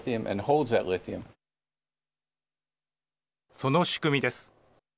その仕組みです。